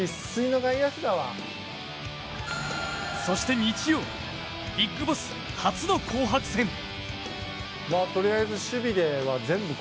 そして日曜、ビッグボス初の紅白戦。